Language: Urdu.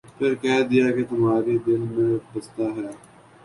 پھر کہہ دیا کہ تمھارے دل میں بستا ہے ۔